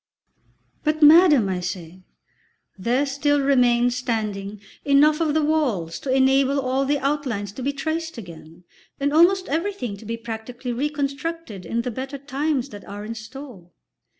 "But, madam," I say, "there still remains standing enough of the walls to enable all the outlines to be traced again, and almost everything to be practically reconstructed in the better times that are in store."